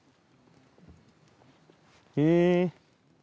へえ。